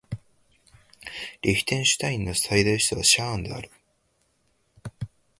リヒテンシュタインの最大都市はシャーンである